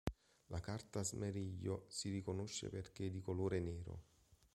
La carta smeriglio si riconosce perché di colore nero.